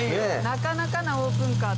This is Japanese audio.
なかなかなオープンカー。